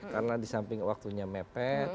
karena di samping waktunya mepet ya kan